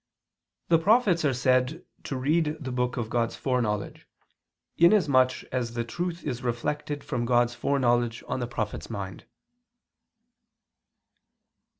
1: The prophets are said to read the book of God's foreknowledge, inasmuch as the truth is reflected from God's foreknowledge on the prophet's mind.